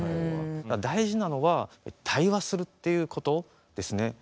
大事なのは対話するっていうことですね。